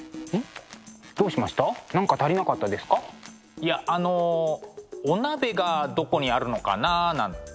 いやあのお鍋がどこにあるのかななんて。